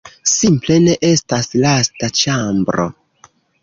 Simple, ne estas lasta ĉambro.